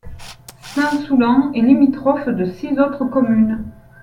Saint-Soulan est limitrophe de six autres communes.